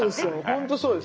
本当そうです。